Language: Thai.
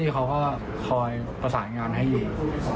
ก็คอยสายงานให้ยิน